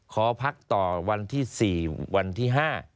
ขอพักต่อวันที่๔วันที่๕